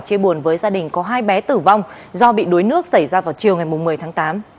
chia buồn với gia đình có hai bé tử vong do bị đuối nước xảy ra vào chiều ngày một mươi tháng tám